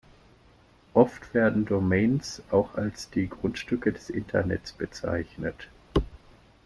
Oft werden Domains auch als die „Grundstücke des Internets“ bezeichnet.